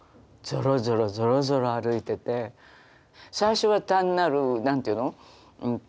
最初は単なる何て言うのうんと